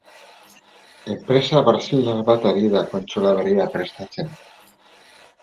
Enpresa brasildar bat ari da kontsola berria prestatzen.